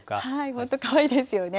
本当かわいいですよね。